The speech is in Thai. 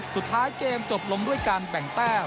สุดท้ายเกมจบลงด้วยการแบ่งแต้ม